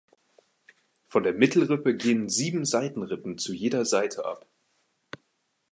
Von der Mittelrippe gehen sieben Seitenrippen zu jeder Seite ab.